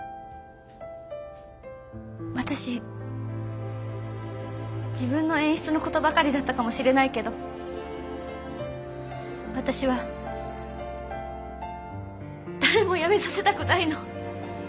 私自分の演出のことばかりだったかもしれないけど私は誰もやめさせたくないの。